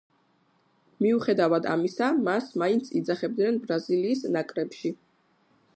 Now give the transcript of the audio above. მიუხედავად ამისა, მას მაინც იძახებდნენ ბრაზილიის ნაკრებში.